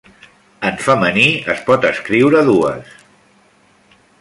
En femení es pot escriure dues.